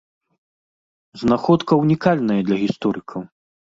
Знаходка ўнікальная для гісторыкаў.